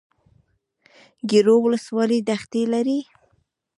ګیرو ولسوالۍ دښتې لري؟